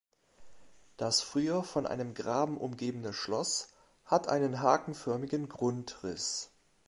Das früher von einem Graben umgebene Schloss hat einen hakenförmigen Grundriss.